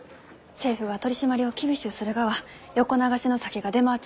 政府が取締りを厳しゅうするがは横流しの酒が出回っちゅうきゆうて。